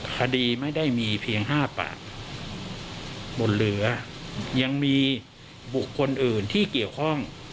คดีไม่ได้มีเพียง๕ปากบนเหลือยังมีบุคคลอื่นที่เกี่ยวข้อง